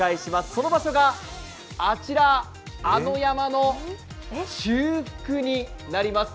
その場所があちら、あの山の中腹になります。